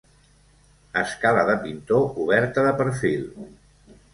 Escala de pintor oberta de perfil.